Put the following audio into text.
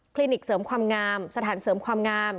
นิกเสริมความงามสถานเสริมความงาม